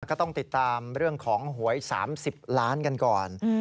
ก็ต้องติดตามเรื่องของหวย๓๐ล้านกันก่อน